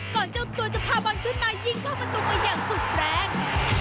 เจ้าตัวจะพาบอลขึ้นมายิงเข้าประตูไปอย่างสุดแรง